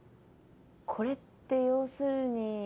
これって要するに。